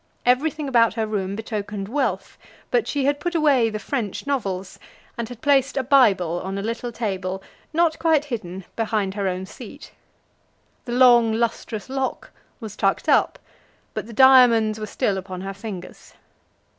Everything about her room betokened wealth; but she had put away the French novels, and had placed a Bible on a little table, not quite hidden, behind her own seat. The long lustrous lock was tucked up, but the diamonds were still upon her fingers.